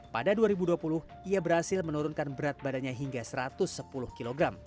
pada dua ribu dua puluh ia berhasil menurunkan berat badannya hingga satu ratus sepuluh kg